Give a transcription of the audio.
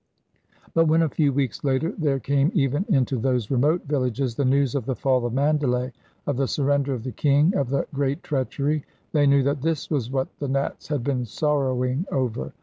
But when a few weeks later there came even into those remote villages the news of the fall of Mandalay, of the surrender of the king, of the 'great treachery,' they knew that this was what the Nats had been sorrowing over.